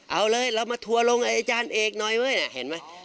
เอาเลยเรามาทัวร์ลงอาจารย์เอกหน่อยเลยเห็นมั้ย